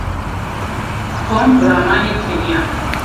Tom bi ramanê keniya.